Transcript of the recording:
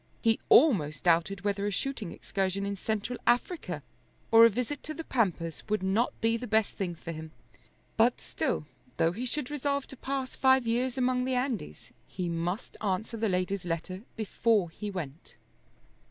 He almost doubted whether a shooting excursion in Central Africa or a visit to the Pampas would not be the best thing for him. But still, though he should resolve to pass five years among the Andes, he must answer the lady's letter before he went.